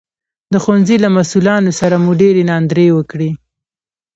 د ښوونځي له مسوولانو سره مو ډېرې ناندرۍ وکړې